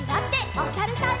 おさるさん。